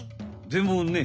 でもね